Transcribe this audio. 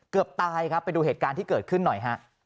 เกือบตายครับไปดูเหตุการณ์ที่เกิดขึ้นหน่อยฮะ